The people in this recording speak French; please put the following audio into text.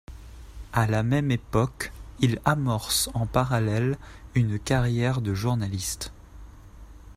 À la même époque, il amorce en parallèle une carrière de journaliste.